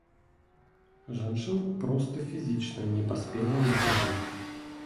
Жанчына проста фізічна не паспела на цягнік.